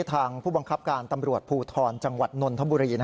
ทางผู้บังคับการตำรวจภูทรจังหวัดนนทบุรี